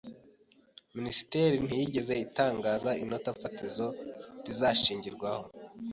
Minisiteri ntiyigeze itangaza inota fatizo rizashingirwaho